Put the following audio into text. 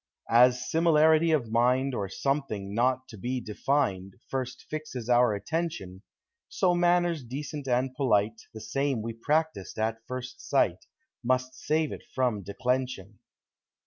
k As similarity of mind, Or something not to be defined First fixes our attention; So manners decent and polite, The same we practised at first sight, Must save it from declension.